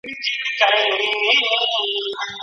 خالقه سترګي د رقیب مي سپېلني کې ورته